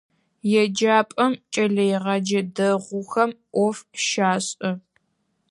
Еджапӏэм кӏэлэегъэджэ дэгъухэм ӏоф щашӏэ.